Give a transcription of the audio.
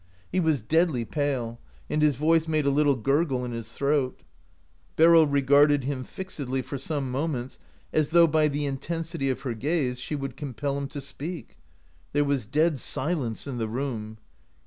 He was deadly pale, and his voice made a little gurgle in his throat. Beryl regarded him fixedly for some moments, as though by the intensity of her gaze she would compel him to speak. There was dead silence in the room.